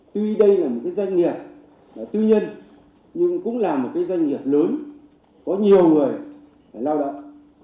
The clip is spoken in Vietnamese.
tùy đây là một cái doanh nghiệp tư nhân nhưng cũng là một cái doanh nghiệp lớn có nhiều người lao động